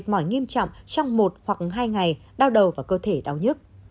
mỏi nghiêm trọng trong một hoặc hai ngày đau đầu và cơ thể đau nhức